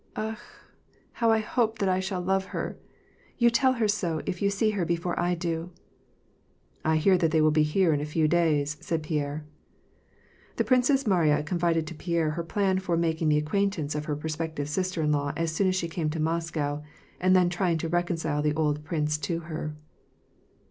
" Akh ! how I hope that I shall love her !^ You tell her so if you see her before I do." " I hear that they will be here in a few days," said Pierre, The Princess Mariya confided to Pierre her plan for mak ing the acquaintance of her prospective sister in law as soon as she came to Moscow, and then trying to reconcile the old prince to her.